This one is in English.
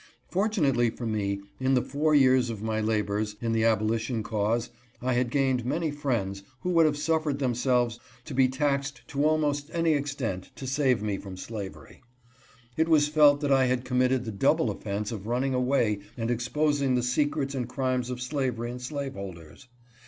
Fortunately for me, in the four years of my labors in the abolition cause I had gained many friends FEARS OF RECAPTURE. 271 who would have suffered themselves to be taxed to almost any extent to save me from slavery. It was felt that I had committed the double offense of running away and exposing the secrets and crimes of slavery and slaveholders.